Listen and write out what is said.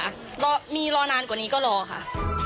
รอได้ค่ะมีรอนานกว่านี้ก็รอค่ะ